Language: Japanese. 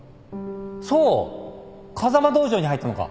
そう風間道場に入ったのか！